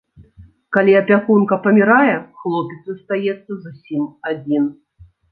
Калі апякунка памірае, хлопец застаецца зусім адзін.